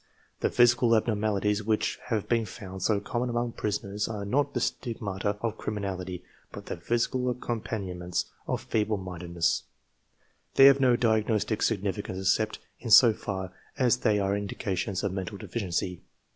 The physical abnormalities which have been found so common among prisoners are not the stigmata of criminal ity, but the physical accompaniments of feeble minded ness* They have no diagnostic significance except in so far as they are indications of mental deficiency.